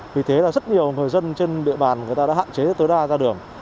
vì thế rất nhiều người dân trên địa bàn đã hạn chế tới đa ra đường